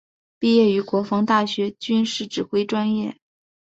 毕业于国防大学军事指挥专业。